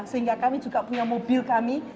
sehingga kami juga punya mobil kami